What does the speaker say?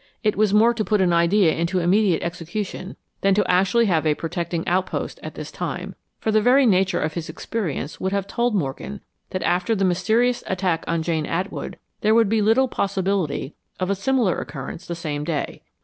It was more to put an idea into immediate execution than to actually have a protecting outpost at this time, for the very nature of his experience would have told Morgan that after the mysterious attack upon Jane Atwood there would be little possibility of a similar occurrence the same day.